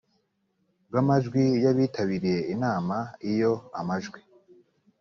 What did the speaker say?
bw amajwi y abitabiriye inama iyo amajwi